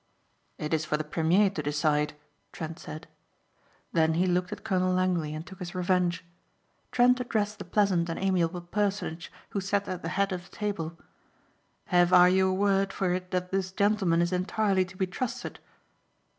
"It is for the premier to decide," Trent said. Then he looked at Colonel Langley and took his revenge. Trent addressed the pleasant and amiable personage who sat at the head of the table. "Have I your word for it that this gentleman is entirely to be trusted?"